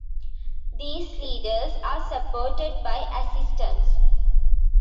These leaders are supported by assistants.